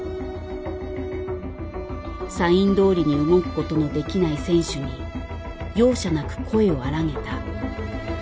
サインどおりに動くことのできない選手に容赦なく声を荒げた。